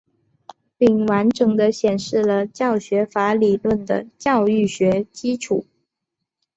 并完整地显示了教学法理论的教育学基础。